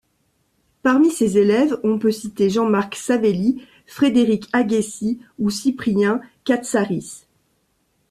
Parmi ses élèves, on peut citer Jean-Marc Savelli, Frédéric Aguessy ou Cyprien Katsaris.